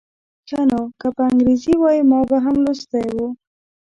ښه نو که په انګریزي وای ما به هم لوستی و.